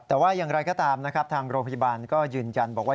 แต่ว่าอย่างไรก็ตามนะครับทางโรงพยาบาลก็ยืนยันบอกว่า